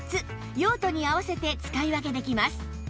用途に合わせて使い分けできます